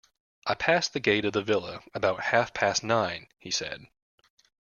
"I passed the gate of the villa about half-past nine," he said.